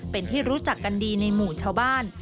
เป็นที่รู้จักกันดีในหมู่ชาวบ้าน